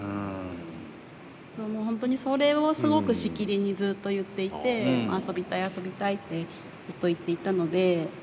本当に、それをすごくしきりにずっと言っていて遊びたい遊びたいってずっと言っていたので。